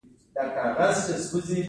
د صادر شویو او وارد شویو توکو اندازه ګوري